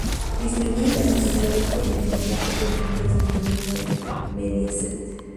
Distribuir internacionalmente y de manera propia los mejores contenidos de Mediaset.